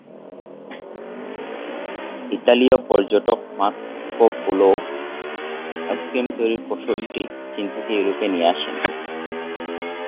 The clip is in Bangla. ইতালীয় পর্যটক মার্কো পোলো আইসক্রিম তৈরির কৌশলটি চিন থেকে ইউরোপে নিয়ে আসেন।